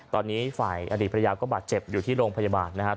ตอนนี้ฝ่ายอดีตภรรยาก็บาดเจ็บอยู่ที่โรงพยาบาลนะครับ